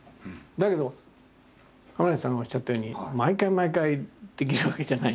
だけど亀梨さんがおっしゃったように毎回毎回できるわけじゃないし。